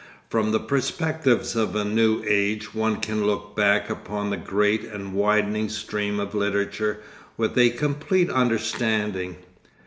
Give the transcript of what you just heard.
From the perspectives of a new age one can look back upon the great and widening stream of literature with a complete understanding.